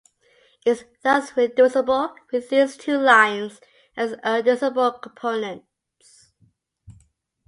It is thus reducible with these two lines as irreducible components.